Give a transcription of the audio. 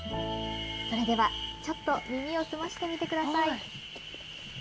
それではちょっと耳を澄ましてみてください。